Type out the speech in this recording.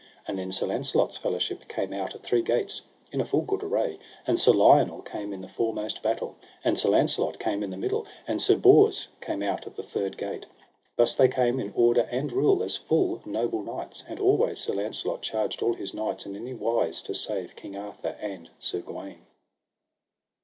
And then Sir Launcelot's fellowship came out at three gates, in a full good array; and Sir Lionel came in the foremost battle, and Sir Launcelot came in the middle, and Sir Bors came out at the third gate. Thus they came in order and rule, as full noble knights; and always Sir Launcelot charged all his knights in any wise to save King Arthur and Sir Gawaine.